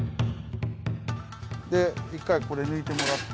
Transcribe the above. で一回これ抜いてもらって。